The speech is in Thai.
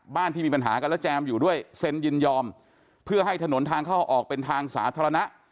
ที่มีปัญหากันและแจมอยู่ด้วยเซ็นยินยอมเพื่อให้ถนนทางเข้าออกเป็นทางสาธารณะ